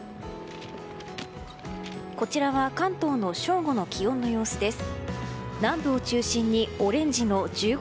こちらは関東の正午の気温の様子です。